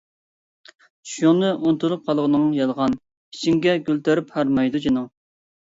چۈشۈڭنى ئۇنتۇلۇپ قالغىنىڭ يالغان، ئىچىڭگە گۈل تېرىپ ھارمايدۇ جېنىڭ.